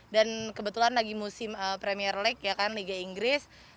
dan kebetulan lagi musim premier league liga inggris